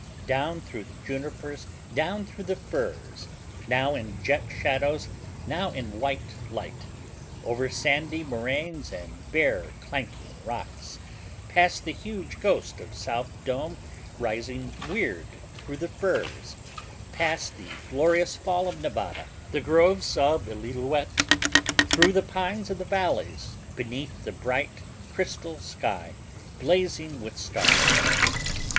Down through the junipers; down through the firs; now in jet shadows, now in white light; over sandy moraines and bare, clanking rocks; past the huge ghost of South Dome rising weird through the firs; past the glorious fall of Nevada, the groves of Illilouette; through the pines of the valley; beneath the bright crystal sky blazing with stars.